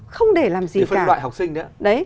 không để làm gì cả